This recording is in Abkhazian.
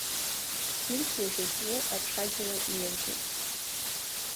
Урҭ уажәазы аҽаџьара ииаргеит…